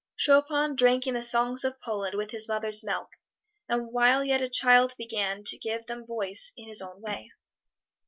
Chopin drank in the songs of Poland with his mother's milk, and while yet a child began to give them voice in his own way.